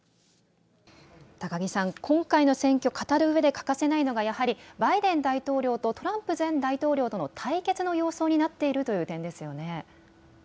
高木さん、今回の選挙を語るうえで欠かせないのがやはりバイデン大統領とトランプ前大統領との対決の様相になっているという点ですよね。